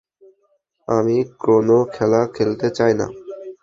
আমি কোনও খেলা খেলতে চাই না।